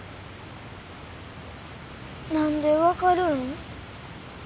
何で分かるん？